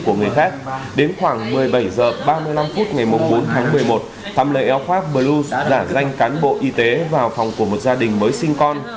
của người khác đến khoảng một mươi bảy h ba mươi năm phút ngày bốn tháng một mươi một thắm lời eo khoác blue giả danh cán bộ y tế vào phòng của một gia đình mới sinh con